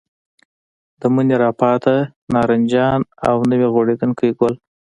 د مني راپاتې نارنجان او نوي غوړېدونکي ګل.